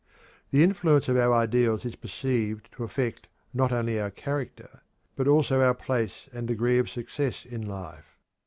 The influence of our ideals is perceived to affect not only our character but also our place and degree of success in life.